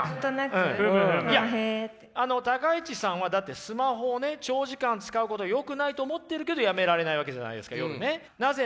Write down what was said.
高市さんはだってスマホをね長時間使うことをよくないと思ってるけどやめられないわけじゃないですか夜ね。